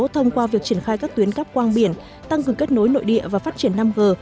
thông qua việc triển khai các tuyến cắp quang biển tăng cường kết nối nội địa và phát triển năm g